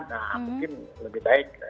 nah mungkin lebih baik